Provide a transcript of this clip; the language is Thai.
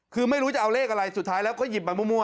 คือไม่รู้จะเอาเลขอะไรสุดท้ายแล้วก็หยิบไปมั่ว